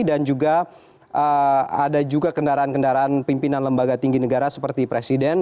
dan juga ada juga kendaraan kendaraan pimpinan lembaga tinggi negara seperti presiden